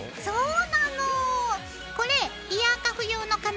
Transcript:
そうなの！